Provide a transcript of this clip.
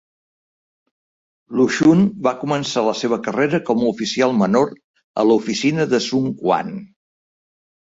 Lu Xun va començar la seva carrera com a oficial menor a l'oficina de Sun Quan.